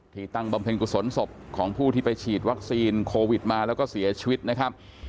ตั้งบำเพ็ญกุศลศพของผู้ที่ไปฉีดวัคซีนโควิดมาแล้วก็เสียชีวิตนะครับ